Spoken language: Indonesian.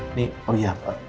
ini oh iya pak